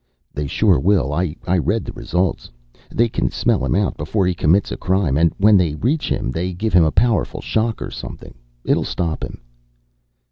"They sure will. I read the test results. They can smell him out before he commits a crime. And when they reach him, they give him a powerful shock or something. It'll stop him."